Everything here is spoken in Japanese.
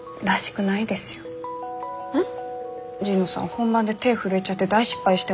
本番で手震えちゃって大失敗しても。